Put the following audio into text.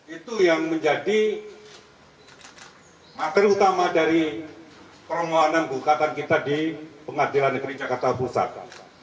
itu yang menjadi materi utama dari permohonan bukatan kita di pengadilan negeri jakarta pusat